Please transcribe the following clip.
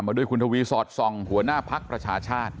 ด้วยคุณทวีสอดส่องหัวหน้าภักดิ์ประชาชาติ